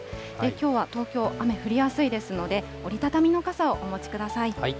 きょうは東京、雨降りやすいですので、折り畳みの傘をお持ちください。